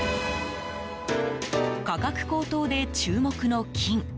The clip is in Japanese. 価格高騰で注目の金。